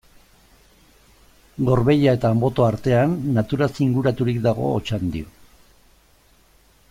Gorbeia eta Anboto artean, naturaz inguraturik dago Otxandio.